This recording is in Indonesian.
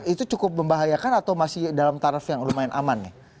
itu cukup membahayakan atau masih dalam taraf yang lumayan aman nih